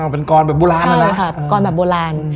เป็นกรรมแบบโบราณ